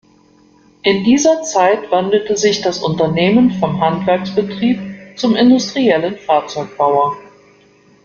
In dieser Zeit wandelte sich das Unternehmen vom Handwerksbetrieb zum industriellen Fahrzeugbauer.